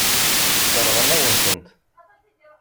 Sseṛɣen-awen-tent.